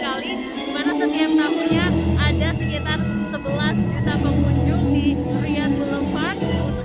dimana setiap tahunnya ada sekitar sebelas juta pengunjung di riyadh boulevard